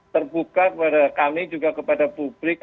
terbuka kepada kami juga kepada publik